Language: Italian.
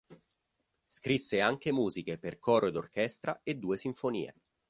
Scrisse anche musiche per coro ed orchestra e due sinfonie.